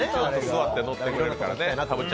座って乗ってくれるからね。